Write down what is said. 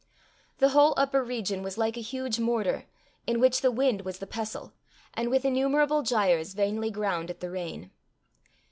The whole upper region was like a huge mortar, in which the wind was the pestle, and, with innumerable gyres, vainly ground at the rain.